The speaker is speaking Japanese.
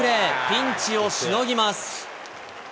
ピンチをしのぎます。